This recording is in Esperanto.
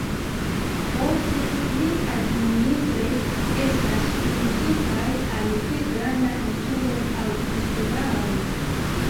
Ofte ili administre estas kunigitaj al pli granda insulo aŭ insularo.